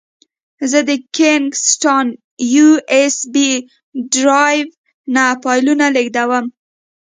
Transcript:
زه د کینګ سټان یو ایس بي ډرایو نه فایلونه لېږدوم.